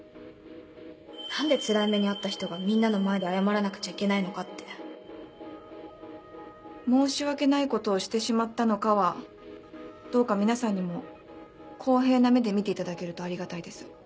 何でつらい目に遭った人がみんなの前で謝らなくちゃいけないのかって申し訳ないことをしてしまったのかはどうか皆さんにも公平な目で見ていただけるとありがたいです。